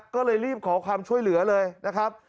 ก็เลยรีบขอความช่วยเหลือเลยนะครับ